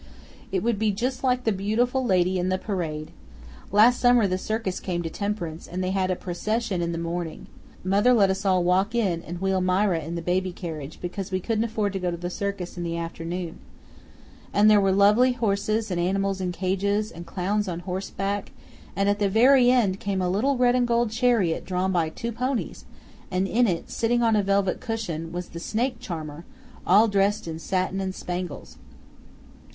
It would be just like the beautiful lady in the parade. Last summer the circus came to Temperance, and they had a procession in the morning. Mother let us all walk in and wheel Mira in the baby carriage, because we couldn't afford to go to the circus in the afternoon. And there were lovely horses and animals in cages, and clowns on horseback; and at the very end came a little red and gold chariot drawn by two ponies, and in it, sitting on a velvet cushion, was the snake charmer, all dressed in satin and spangles.